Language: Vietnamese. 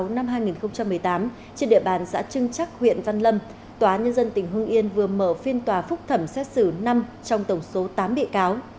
năm hai nghìn một mươi tám trên địa bàn xã trưng chắc huyện văn lâm tòa nhân dân tỉnh hưng yên vừa mở phiên tòa phúc thẩm xét xử năm trong tổng số tám bị cáo